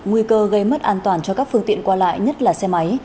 nguy cơ gây mất an toàn cho các phương tiện qua lại nhất là xe máy